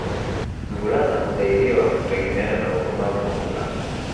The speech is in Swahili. Wavulana hutahiriwa kutegemeana na ukomavu wa mvulana